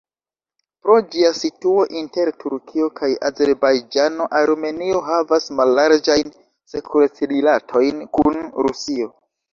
Pro ĝia situo inter Turkio kaj Azerbajĝano, Armenio havas mallarĝajn sekurec-rilatojn kun Rusio.